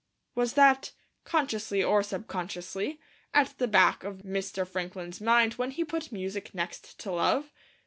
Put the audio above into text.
Was that, consciously or subconsciously, at the back of Mr. Franklin's mind when he put Music next to Love?